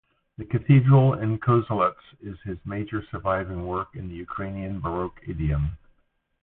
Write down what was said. The cathedral in Kozelets is his major surviving work in the Ukrainian Baroque idiom.